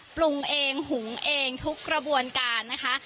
ปรุงเองหุงเองทุกกระบวนการนะคะ